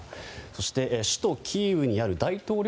そして、首都キーウにある大統領